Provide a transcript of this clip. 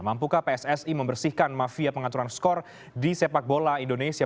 mampukah pssi membersihkan mafia pengaturan skor di sepak bola indonesia